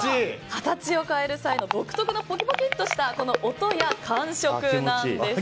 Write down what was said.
形を変える際の独特のポキポキっとした音や感触なんです。